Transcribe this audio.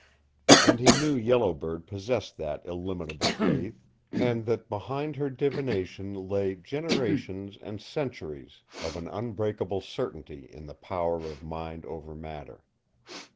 And he knew Yellow Bird possessed that illimitable faith, and that behind her divination lay generations and centuries of an unbreakable certainty in the power of mind over matter.